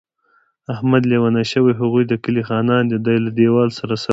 احمد لېونی شوی، هغوی د کلي خانان دي. دی له دېوال سره سر وهي.